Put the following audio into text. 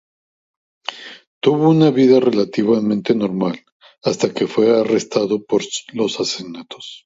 Tuvo una vida relativamente normal hasta que fue arrestado por los asesinatos.